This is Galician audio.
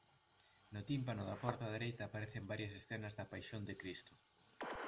No tímpano da porta dereita aparecen varias escenas da paixón de Cristo.